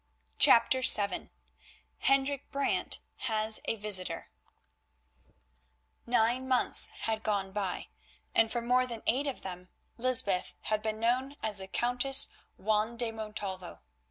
CHAPTER VII HENDRIK BRANT HAS A VISITOR Nine months had gone by, and for more then eight of them Lysbeth had been known as the Countess Juan de Montalvo.